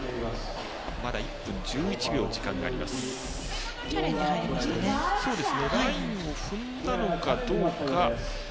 まだ１分１１秒時間があります。